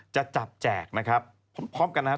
จะจับแจกนะครับพร้อมกันนะครับ